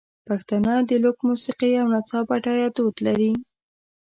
پښتانه د لوک موسیقۍ او نڅا بډایه دود لري.